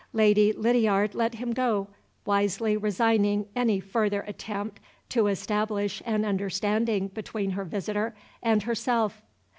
Lady Lydiard let him go, wisely resigning any further attempt to establish an understanding between her visitor and herself.